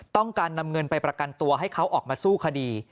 ต้องการนำเงินไปประกันตัวให้เขาออกมาสู้คดี